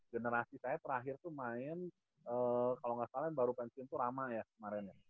generasi saya terakhir tuh main kalau nggak salah baru pensiun itu ramai ya kemarin ya